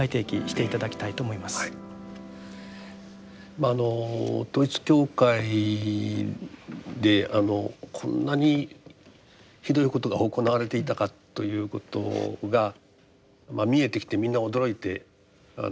まああの統一教会であのこんなにひどいことが行われていたかということが見えてきてみんな驚いていると。